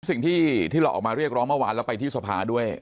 สิ่งที่เราออกมาเรียกร้องเมื่อวานแล้วไปที่สภาด้วย